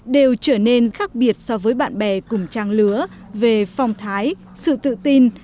đều trở nên khác biệt so với bạn bè cùng trang lứa về phong thái sự tự tin